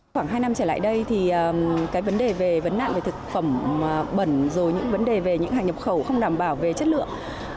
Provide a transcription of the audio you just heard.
khoảng hai năm trở lại đây thì cái vấn đề về vấn nạn về thực phẩm bẩn rồi những vấn đề về những hàng nhập khẩu không đảm bảo về chất lượng